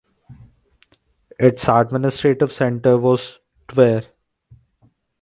Its administrative centre was Tver.